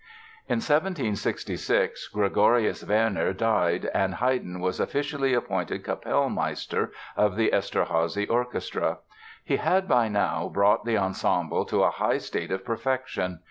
In 1766 Gregorius Werner died and Haydn was officially appointed Capellmeister of the Eszterházy orchestra. He had by now brought the ensemble to a high state of perfection.